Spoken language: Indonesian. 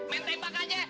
main tembak aja